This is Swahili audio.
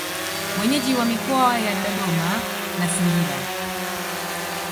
Wenyeji wa mikoa ya Dodoma na Singida